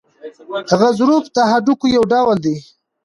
غضروف د هډوکو یو ډول دی.